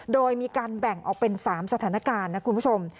โดยมีการแบ่งออกเป็น๓สถานการณ์นะคุณผู้ชม